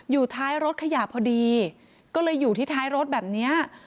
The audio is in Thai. ท้ายรถขยะพอดีก็เลยอยู่ที่ท้ายรถแบบนี้